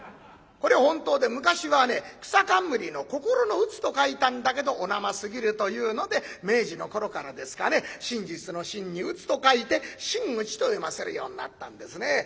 これ本当で昔はねくさかんむりの心の打つと書いたんだけどお生すぎるというので明治の頃からですかね真実の真に打つと書いて「真打」と読ませるようになったんですね。